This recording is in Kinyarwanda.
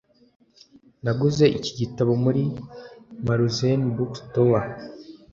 Naguze iki gitabo muri Maruzen Bookstore.